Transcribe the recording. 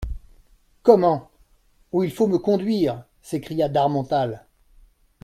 Comment ! où il faut me conduire ! s'écria d'Harmental.